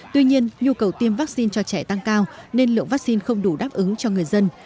tuy nhiên nhu cầu tiêm vaccine cho trẻ tăng cao nên lượng vaccine không đủ đáp ứng cho người dân